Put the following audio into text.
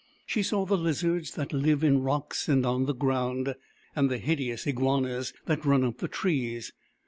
She saw the lizards that live in rocks and on the ground, and the hideous iguanas that run up the trees.